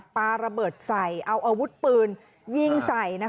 ปลาระเบิดใส่เอาอาวุธปืนยิงใส่